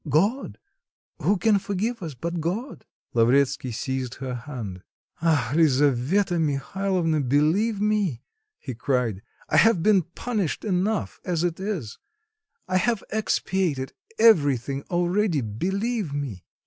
God. Who can forgive us, but God?" Lavretsky seized her hand. "Ah, Lisaveta Mihalovna, believe me," he cried, "I have been punished enough as it is. I have expiated everything already, believe me."